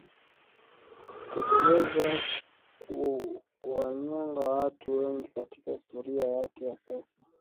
kutekeleza kuwanyonga watu wengi katika historia yake ya sasa